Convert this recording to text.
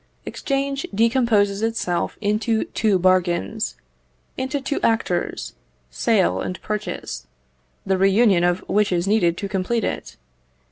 Exchange decomposes itself into two bargains, into two actors, sale and purchase, the reunion of which is needed to complete it.